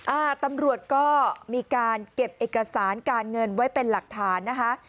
อ่าตำรวจก็มีการเก็บเอกสารการเงินไว้เป็นหลักฐานนะคะ